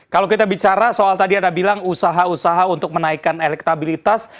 kalau kita bicara soal tadi anda bilang usaha usaha untuk menaikkan elektabilitas